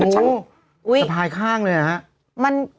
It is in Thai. สะพายข้างเลยนะฮะ